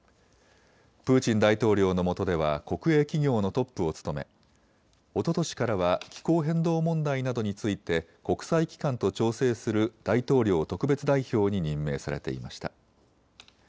プーチン大統領のもとでは国営企業のトップを務め、おととしからは気候変動問題などについて国際機関と調整する大統領特別代表に任命されていました。